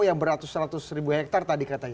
yang beratus ratus ribu hektare tadi katanya